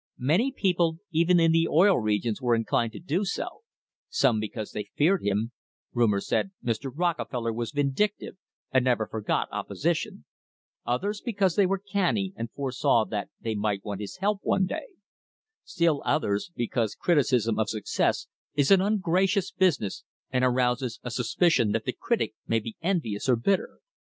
Many people even in the Oil Re gions were inclined to do so, some because they feared him rumour said Mr. Rockefeller was vindictive and never for got opposition; others because they were canny and foresaw that they might want his help one day; still others because criticism of success is an ungracious business and arouses a suspicion that the critic may be envious or bitter.